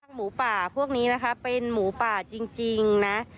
หมูป่าพวกนี้นะคะเป็นหมูป่าจริงนะ